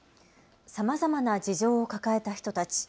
さまざまな事情を抱えた人たち。